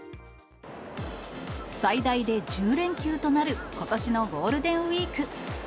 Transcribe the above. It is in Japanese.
最大で１０連休となることしのゴールデンウィーク。